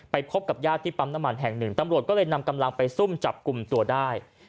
พบกับญาติที่ปั๊มน้ำมันแห่งหนึ่งตำรวจก็เลยนำกำลังไปซุ่มจับกลุ่มตัวได้